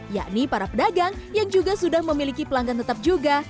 yakni para pedagang yang juga sudah memiliki pelanggan tetap juga